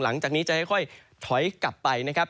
หลังจากนี้จะค่อยถอยกลับไปนะครับ